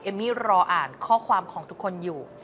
มี่รออ่านข้อความของทุกคนอยู่